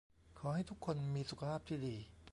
ขอให้ทุกคนมีสุขภาพที่ดี